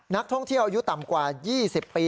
นักท่องเที่ยวอายุต่ำกว่า๒๐ปี